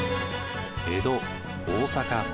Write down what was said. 江戸大坂